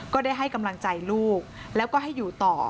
ได้ให้กำลังใจลูกแล้วก็ให้อยู่ต่อ